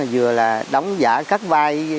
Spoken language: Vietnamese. vừa là đóng giả các vai